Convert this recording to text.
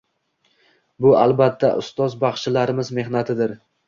Bu, albatta, ustoz baxshilarimiz mehnatidir.